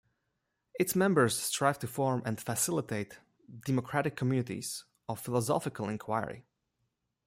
Its members strive to form and facilitate "democratic communities of philosophical inquiry".